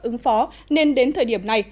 ứng phó nên đến thời điểm này